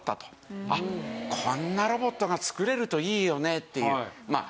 こんなロボットが作れるといいよねっていうまあ